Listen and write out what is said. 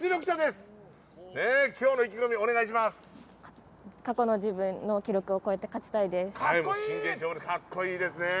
過去の自分の記録を超えて勝ちたいです。